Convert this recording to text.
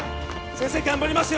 先生頑張りますよ！